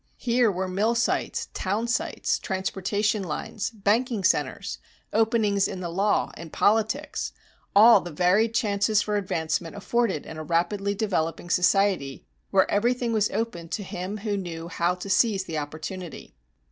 Here were mill sites, town sites, transportation lines, banking centers, openings in the law, in politics all the varied chances for advancement afforded in a rapidly developing society where everything was open to him who knew how to seize the opportunity.